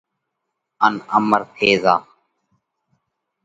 ان امر ٿي زائه۔